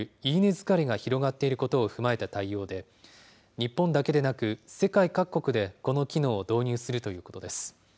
疲れが広がっていることを踏まえた対応で、日本だけでなく、世界各国でこの機能を導入するということです。